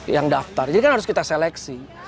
yang daftar jadi kan harus kita seleksi